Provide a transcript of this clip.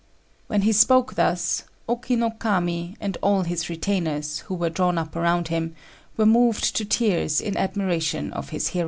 When he spoke thus, Oki no Kami and all his retainers, who were drawn up around him, were moved to tears in admiration of his heroism.